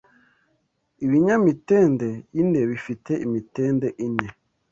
Ibinyamitende ine bifite imitende ine